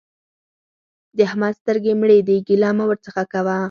د احمد سترګې مړې دي؛ ګيله مه ورڅخه کوه.